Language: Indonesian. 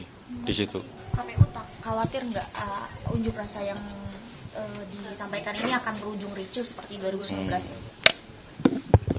kpu khawatir nggak unjuk rasa yang disampaikan ini akan berujung ricuh seperti dua ribu sembilan belas ini